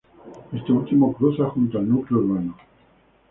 Este último cruza junto al núcleo urbano.